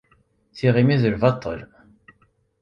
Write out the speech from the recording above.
Tiγimit d lbaṭel